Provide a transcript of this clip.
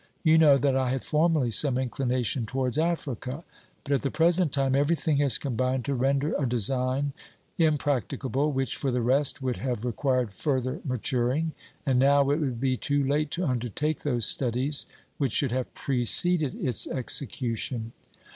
You know that I had formerly some inclination towards Africa. But at the present time everything has combined to render a design impracticable which, for the rest, would have required further maturing, and now it would be too late to undertake those studies which should have preceded its execution.